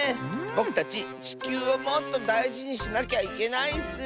ぼくたちちきゅうをもっとだいじにしなきゃいけないッス！